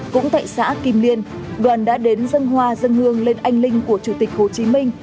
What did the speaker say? cũng tại xã kim liên đoàn đã đến dân hoa dân hương lên anh linh của chủ tịch hồ chí minh